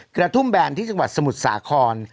กระทุ่มแบนที่จังหวัดสมุทรสาคร